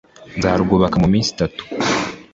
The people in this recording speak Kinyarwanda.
«Nzarwubaka mu minsi itatu.»